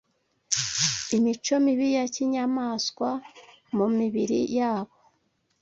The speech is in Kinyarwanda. imico mibi ya kinyamaswa mu mibiri yabo